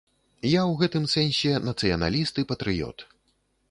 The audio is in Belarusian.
Я ў гэтым сэнсе нацыяналіст і патрыёт.